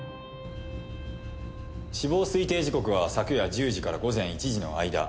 死亡推定時刻は昨夜１０時から午前１時の間。